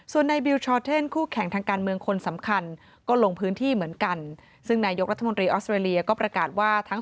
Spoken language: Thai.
ส่วนในบิลชอเทินน์คู่แข่งทางการเมืองคนสำคัญก็ลงพื้นที่เหมือนกัน